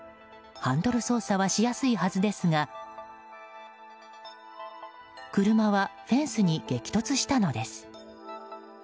ハンドル操作はしやすいはずですが車はフェンスに激突したのです。